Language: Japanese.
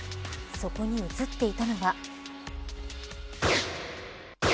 そこに映っていたのは。